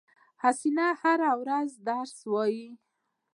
حسینه هره ورځ درس وایی